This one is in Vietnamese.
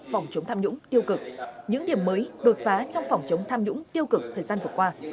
phòng chống tham nhũng tiêu cực những điểm mới đột phá trong phòng chống tham nhũng tiêu cực thời gian vừa qua